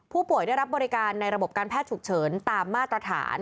ได้รับบริการในระบบการแพทย์ฉุกเฉินตามมาตรฐาน